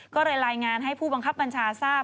ก็เลยรายงานให้ผู้บังคับบัญชาทราบ